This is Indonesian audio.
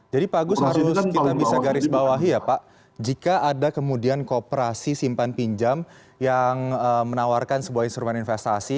jadi pak gus harus kita bisa garis bawahi ya pak jika ada kemudian koperasi simpan pinjam yang menawarkan sebuah instrumen investasi